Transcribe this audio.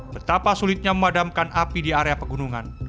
betapa sulitnya memadamkan api di area pegunungan